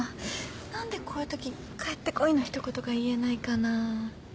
何でこういうとき帰ってこいの一言が言えないかな。